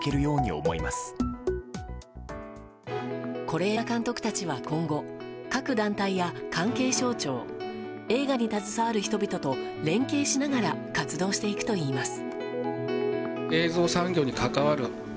是枝監督たちは今後各団体や関係省庁映画に携わる人々と連携しながら活動していくといいます。